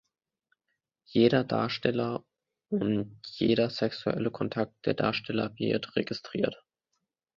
Jeder Darsteller und jeder sexuelle Kontakt der Darsteller wird registriert.